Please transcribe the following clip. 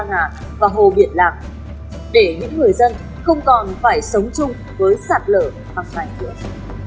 hồ biển lạc và sông la nga và hồ biển lạc để những người dân không còn phải sống chung với sạt lở hoặc sảnh cưỡng